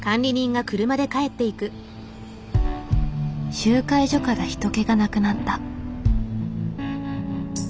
集会所から人けがなくなった。